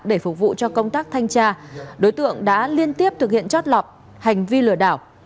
để phục vụ cho công tác thanh tra đối tượng đã liên tiếp thực hiện chót lọt hành vi lừa đảo